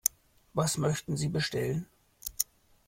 Was möchten Sie bestellen?